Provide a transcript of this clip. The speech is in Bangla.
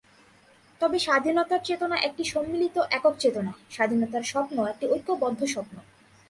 তবে স্বাধীনতার চেতনা একটি সম্মিলিত একক চেতনা, স্বাধীনতার স্বপ্ন একটি ঐক্যবদ্ধ স্বপ্ন।